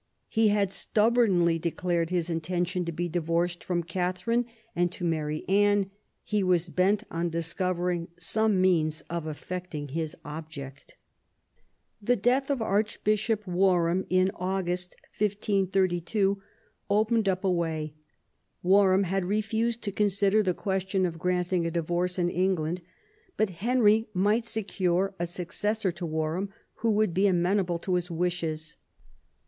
He had stubbornly declared his inten tion to be divorced from Catherine and to marry Anne ; he was bent on discovering some means of effecting his object. The death of Archbishop Warham in August, 1532, opened up a way. Warham had refused to con sider the question of granting a divorce in England ; but Henry might secure a successor to Warham who would be amenable to his wishes.